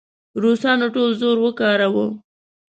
روسانو ټول زور وکاراوه.